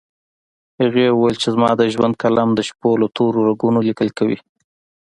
هغې وويل چې زما د ژوند قلم د شپو له تورو رګونو ليکل کوي